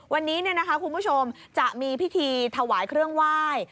วันนี้คุณผู้ชมจะมีพิธีถวายเครื่องไหว้